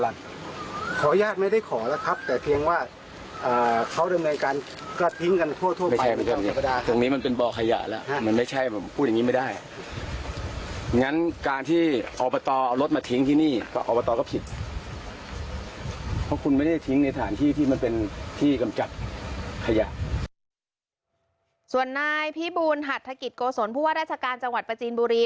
ส่วนนายพิบูลหัฐกิจโกศลผู้ว่าราชการจังหวัดประจีนบุรี